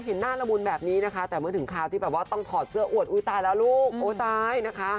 เห็นหน้าละมุนแบบนี้นะคะแต่เมื่อถึงคราวที่แบบว่าต้องถอดเสื้ออวดอุ้ยตายแล้วลูกโอ้ตายนะคะ